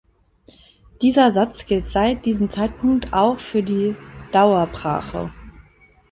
Dieser Satz gilt seit diesem Zeitpunkt auch für die Dauerbrache.